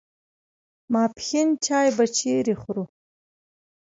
ماپښین چای به چیرې خورو.